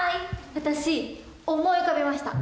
私思い浮かびました。